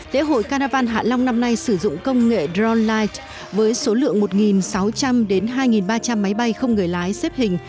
lễ hội carnival hạ long năm nay sử dụng công nghệ drone light với số lượng một sáu trăm linh hai ba trăm linh máy bay không người lái xếp hình